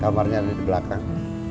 kamarnya ada di belakang